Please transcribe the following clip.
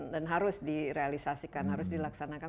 dan harus direalisasikan harus dilaksanakan